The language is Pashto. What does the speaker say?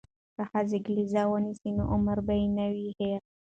که ښځې کلیزه ونیسي نو عمر به نه وي هیر.